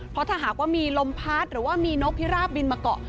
เพราะถ้าหากว่ามีลมพัดหรือว่ามีนกพิราบบินมาเกาะ